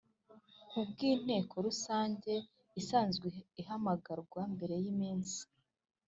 Nk ubw inteko rusange isanzwe ihamagarwa mbere y iminsi